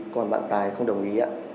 còn bạn tài không đồng ý